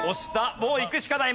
もういくしかない。